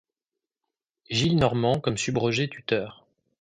Gillenormand comme subrogé tuteur.